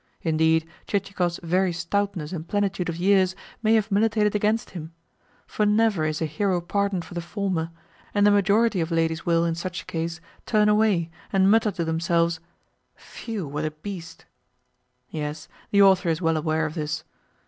Indeed, Chichikov's very stoutness and plenitude of years may have militated against him, for never is a hero pardoned for the former, and the majority of ladies will, in such case, turn away, and mutter to themselves: "Phew! What a beast!" Yes, the author is well aware of this.